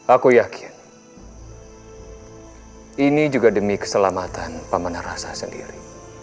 aku yakin ini juga demi keselamatan paman rasa sendiri